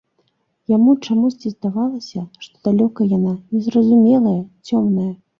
Яму чамусьці здавалася, што далёка яна, незразумелая, цёмная.